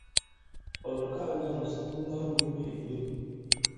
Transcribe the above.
Ɔ̀ lɔ̀kaa njâŋ ǹsɔn mu nndawŋgombi ǐ bwě ?